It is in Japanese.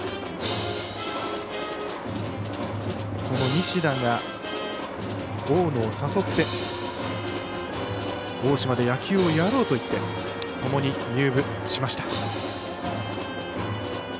この西田が大野を誘って大島で野球をやろうと言ってともに入部しました。